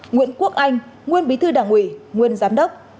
nguyễn quốc anh nguyên bí thư đảng ủy nguyên giám đốc